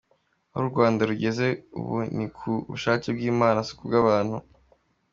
Aho u Rwanda rugeze ubu ni ku bushake bw’ Imana si ku bw’abantu.